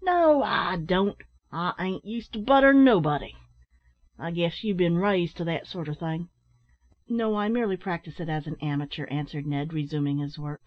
"No, I don't; I ain't used to butter nobody. I guess you've bin raised to that sort o' thing?" "No, I merely practise it as an amateur," answered Ned, resuming his work.